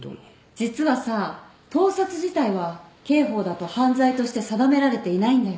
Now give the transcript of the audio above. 実はさ盗撮自体は刑法だと犯罪として定められていないんだよ。